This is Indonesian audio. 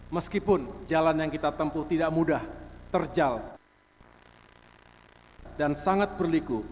meskipun jalan yang kita tempuh tidak mudah terjal dan sangat berliku